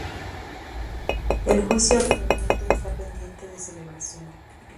El juicio actualmente está pendiente de celebración.